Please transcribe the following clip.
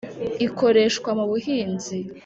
ikoreshwa mu buhinzi